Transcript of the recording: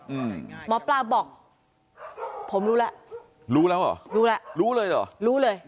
อืมหมอปลาบอกผมรู้แล้วรู้แล้วเหรอรู้แล้วรู้เลยเหรอรู้เลย